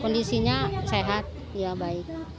kondisinya sehat ya baik